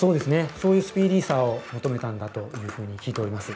そういうスピーディーさを求めたんだというふうに聞いております。